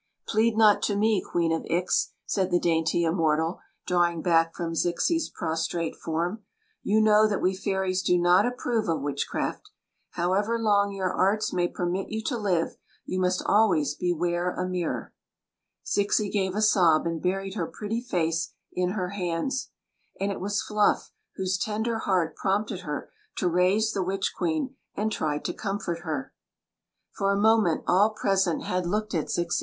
" Plead not to me. Queen Ix !" said the dainty hnmortal, drawing back from Zixi's prostrate form. "You know that we fairies do not approve of witch craft However long your arts may permit you to live, you must always beware a mirror Zixi gave a sob and buried her |M^tty face m her hands; and it was Fluff whose tender heart prompted her to raise the witch queen and try to comf<Mt her. Queen Zixi of Ix; or, the For a moment all present had looked at Zixi.